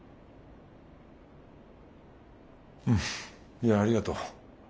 いやありがとう。